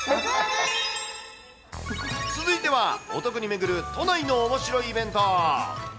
続いてはお得に巡る都内のおもしろイベント。